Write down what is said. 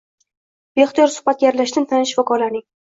beixtiyor suhbatiga aralashdim tanish shifokorlarning